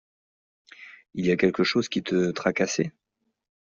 Il y a quelque chose qui te tracassait?